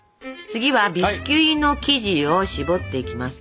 次はビスキュイの生地を絞っていきます。